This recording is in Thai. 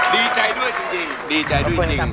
ดีใจด้วยจริง